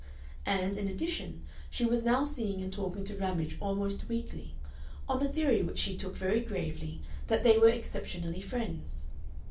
And, in addition, she was now seeing and talking to Ramage almost weekly, on a theory which she took very gravely, that they were exceptionally friends.